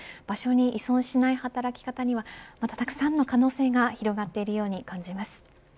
場所に依存しない働き方にはたくさんの可能性が広がっていくように感じます。